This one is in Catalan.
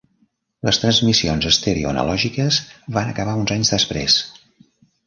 Les transmissions estèreo analògiques van acabar uns anys després.